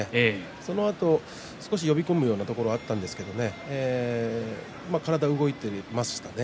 そのあと少し呼び込むようなところがあったんですが体が動いてましたね。